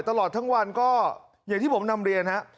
ตลอดทั้งวันก็อย่างที่ผมนำเรียนฮะ